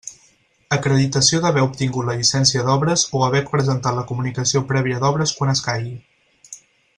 Acreditació d'haver obtingut la llicència d'obres o haver presentat la comunicació prèvia d'obres quan escaigui.